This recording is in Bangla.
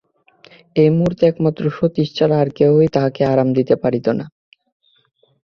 এই মুহূর্তে একমাত্র সতীশ ছাড়া আর কেহই তাহাকে আরাম দিতে পারিত না।